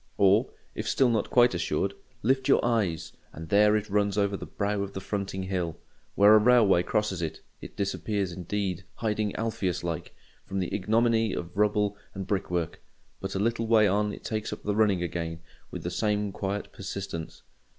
Or, if still not quite assured, lift you your eyes, and there it runs over the brow of the fronting hill. Where a railway crosses it, it disappears indeed—hiding Alpheus like, from the ignominy of rubble and brick work; but a little way on it takes up the running again with the same quiet persistence.